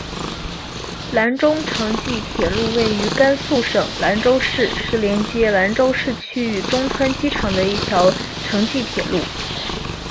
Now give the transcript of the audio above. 兰中城际铁路位于甘肃省兰州市是连接兰州市区与中川机场的一条城际铁路。